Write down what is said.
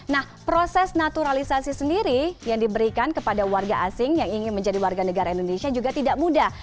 nah proses naturalisasi sendiri yang diberikan kepada warga asing yang ingin menjadi warga negara indonesia juga tidak mudah